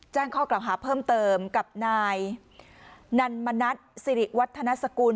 แจ้งข้อกล่าวหาเพิ่มเติมกับนายนันมณัฐสิริวัฒนสกุล